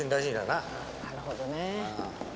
なるほどねぇ。